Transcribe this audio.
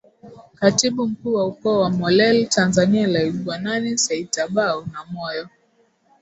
Katibu Mkuu wa Ukoo wa Mollel Tanzania Laigwanani Saitabau Namoyo